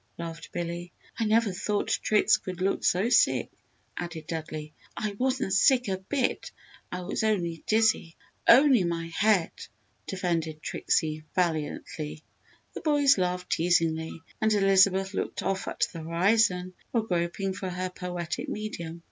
laughed Billy. "I never thought Trix could look so sick!" added Dudley. "I wasn't sick a bit! I was only dizzy only my head!" defended Trixie, valiantly. The boys laughed teasingly and Elizabeth looked off at the horizon while groping for her poetic medium.